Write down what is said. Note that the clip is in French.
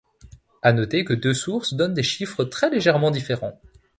À noter que deux sources donnent des chiffres très légèrement différents.